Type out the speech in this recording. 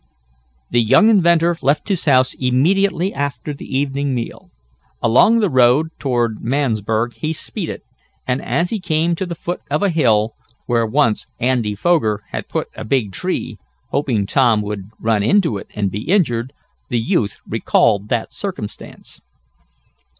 The young inventor left his house immediately after the evening meal. Along the road toward Mansburg he speeded, and, as he came to the foot of a hill, where once Andy Foger had put a big tree, hoping Tom would run into it and be injured, the youth recalled that circumstance.